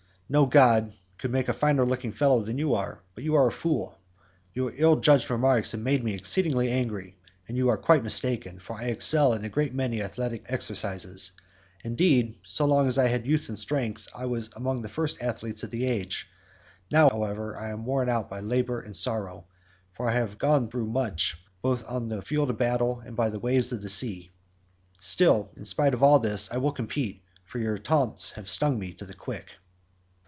No god could make a finer looking fellow than you are, but you are a fool. Your ill judged remarks have made me exceedingly angry, and you are quite mistaken, for I excel in a great many athletic exercises; indeed, so long as I had youth and strength, I was among the first athletes of the age. Now, however, I am worn out by labour and sorrow, for I have gone through much both on the field of battle and by the waves of the weary sea; still, in spite of all this I will compete, for your taunts have stung me to the quick."